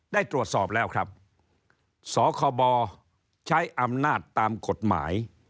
ได้ตรวจสอบแล้วครับสคบใช้อำนาจตามกฎหมาย